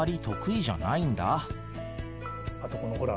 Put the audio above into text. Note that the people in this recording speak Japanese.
あとこのほら。